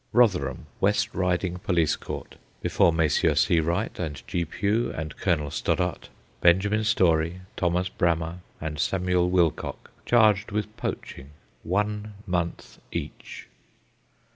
Rotherham West Riding Police Court. Before Messrs. C. Wright and G. Pugh and Colonel Stoddart. Benjamin Storey, Thomas Brammer, and Samuel Wilcock, charged with poaching. One month each.